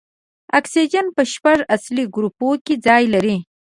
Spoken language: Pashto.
اکسیجن په شپږم اصلي ګروپ کې ځای لري.